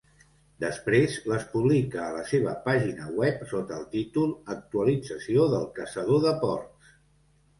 Després les publica a la seva pàgina web sota el títol "Actualització del caçador de porcs".